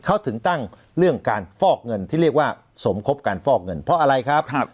เขาถึงตั้งเรื่องการฟอกเงินที่เรียกว่าสมคบการฟอกเงินเพราะอะไรครับ